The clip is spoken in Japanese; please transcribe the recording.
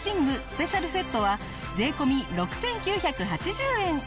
スペシャルセットは税込６９８０円。